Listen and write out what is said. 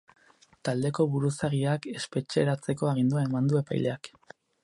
Taldeko buruzagiak espetxeratzeko agindua eman du epaileak.